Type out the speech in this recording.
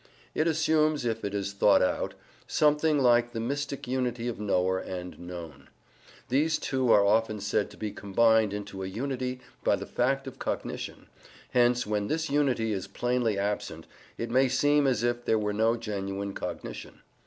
It assumes, if it is thought out, something like the mystic unity of knower and known. These two are often said to be combined into a unity by the fact of cognition; hence when this unity is plainly absent, it may seem as if there were no genuine cognition.